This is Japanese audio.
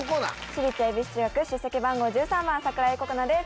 私立恵比寿中学出席番号１３番桜木心菜です